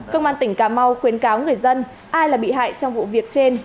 công an tỉnh cà mau khuyến cáo người dân ai là bị hại trong vụ việc trên